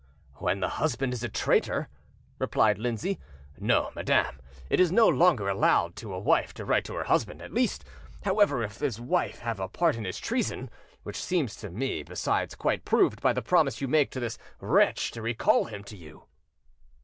"When the husband is a traitor," replied Lindsay, "no, madam, it is no longer allowed to a wife to write to her husband—at least, however, if this wife have a part in his treason; which seems to me, besides, quite proved by the promise you make to this wretch to recall him to you."